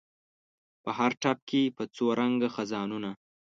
په هر ټپ کې په څو رنګه خزانونه